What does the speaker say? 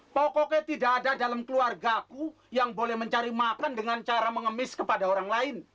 pokoknya tidak ada dalam keluargaku yang boleh mencari makan dengan cara mengemis kepada orang lain